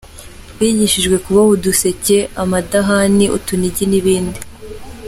Bigishwijwe kuboha uduseke, amadahani , utunigi n’ibindi.